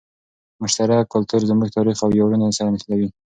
مشترک کلتور زموږ تاریخ او ویاړونه سره نښلوي.